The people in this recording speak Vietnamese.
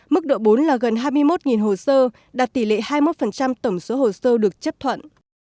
mức độ bốn là gần hai mươi một hồ sơ đạt tỷ lệ hai mươi một tổng số hồ sơ được chấp thuận